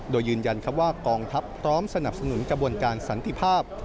โดยยืนยันว่ากองทัพพร้อมสนับสนุนกระบวนการสันติภาพ